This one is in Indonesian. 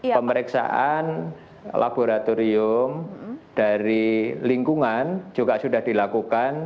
pemeriksaan laboratorium dari lingkungan juga sudah dilakukan